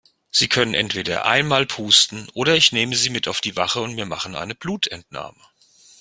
Sie können entweder einmal pusten oder ich nehme Sie mit auf die Wache und wir machen eine Blutentnahme.